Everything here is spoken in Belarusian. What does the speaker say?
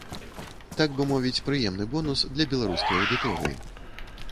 Так бы мовіць, прыемны бонус для беларускай аўдыторыі.